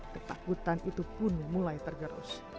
ketakutan itu pun mulai tergerus